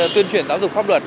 tuyên truyền giáo dục pháp luật